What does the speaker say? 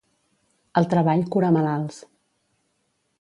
El treball cura malalts.